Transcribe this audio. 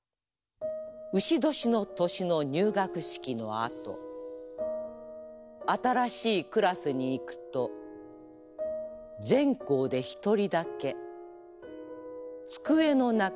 丑年の年の入学式のあと新しいクラスに行くと全校で１人だけ机の中に手紙が入っているという。